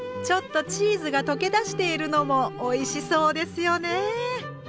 ちょっとチーズが溶け出しているのもおいしそうですよね。